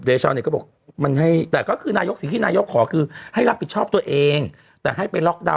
เดี๋ยวหารู้สึกว่านางก็จะออกมาพูดเลยแล้วเหมือนกันว่า